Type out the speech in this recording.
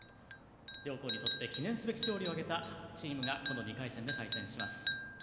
両校にとって記念すべき勝利を挙げたチームがこの２回戦で対戦します。